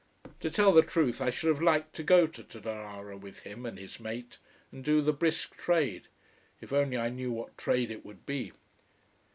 To tell the truth I should have liked to go to Tonara with him and his mate and do the brisk trade: if only I knew what trade it would be.